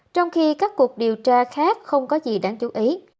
trong khi các cuộc điều tra khác không có gì đáng chú ý